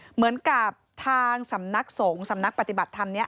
เหมือนกับทางสำนักสงฆ์สำนักปฏิบัติธรรมนี้